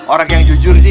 orang yang jujur ji